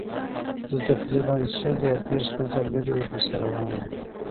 زه تقریباً شل یا دېرش متره لرې ورپسې روان وم.